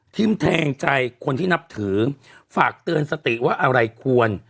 แทงใจคนที่นับถือฝากเตือนสติว่าอะไรควร